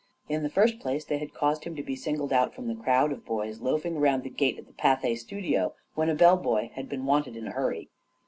Iq the first place, they had caused him to be singled out from the crowd of boys loafing around the gate of the Pathe studio when a bell boy had been wanted in a hurry.